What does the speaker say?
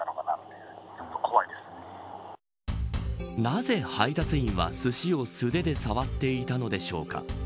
なぜ配達員は、すしを素手で触っていたのでしょうか。